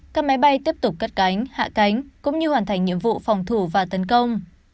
các máy bay tiếp tục cất cánh hạ cánh cũng như hoàn thành nhiệm vụ phòng thủ và tấn công